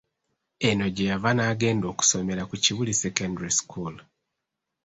Eno gye yava n'agenda okusomera ku Kibuli Secondary School.